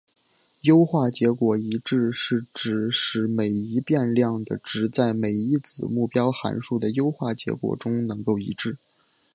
优化结果一致是指使每一变量的值在每一子目标函数的优化结果中能够一致。